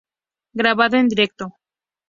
Grabado en directo.